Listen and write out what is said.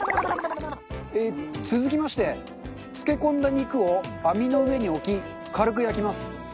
続きまして漬け込んだ肉を網の上に置き軽く焼きます。